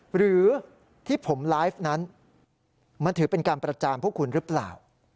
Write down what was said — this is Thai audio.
หรือที่ผมไลฟ์นั้นมันถือเป็นการประจานพวกคุณหรือเปล่า